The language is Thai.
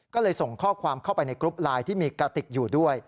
ก็เลยส่งข้อความเข้าไปในกรุ๊ปไลน์ที่มีกระติกอยู่ด้วย